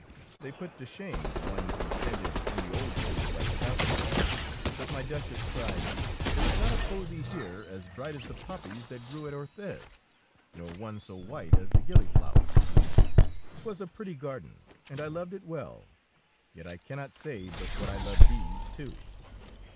They put to shame the ones we tended in the old days by the castle wall, but my Duchess cried, —" There is not a posy here as bright as the poppies that grew at Orthez, nor one so white as the gillyflowers. 'Twas a pretty garden, and I loved it well. Yet I cannot say but what I love these too.